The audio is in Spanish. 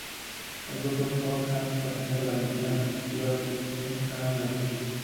El grupo de Scott-Hansen pertenece a la división administrativa Krai de Krasnoyarsk de Rusia.